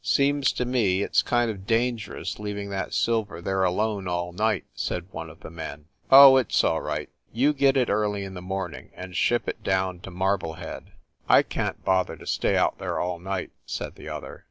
"Seems to me it s kind of dangerous leaving that silver there alone all night," said one of the men. "Oh, it s all right ; you get it early in the morning and ship it down to Marblehead. I can t bother to stay out there all night," said the other.